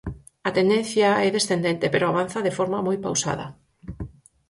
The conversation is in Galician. A tendencia é descendente pero avanza de forma moi pausada.